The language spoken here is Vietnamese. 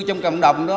trong cộng đồng đó